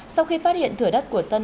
sau khi phát hiện thửa đất của tân